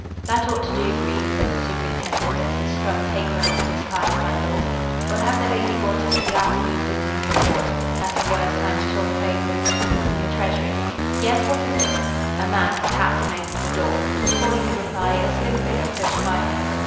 "That ought to do, Green," said the superintendent, as he strung tape round the discarded bundles. "We'll have the lady brought up at the afternoon sitting of the court. That'll give us time to talk it over with the people from the Treasury. Yes, what is it?" A man had tapped and opened the door. Before he could reply, a slim figure pushed by him.